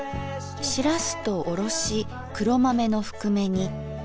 しらすとおろし黒豆のふくめ煮。